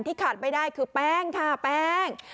ขาดไม่ได้คือแป้งค่ะแป้ง